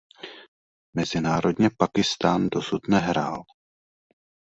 Mezinárodně Pákistán dosud nehrál.